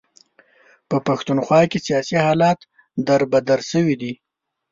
په پښتونخوا کې سیاسي حالات در بدر شوي دي.